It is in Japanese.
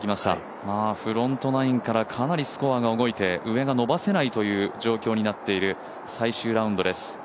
フロントナインからかなりスコアが動いて、上が伸ばせないという状況になっている最終ラウンドです。